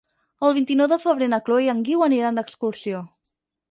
El vint-i-nou de febrer na Chloé i en Guiu aniran d'excursió.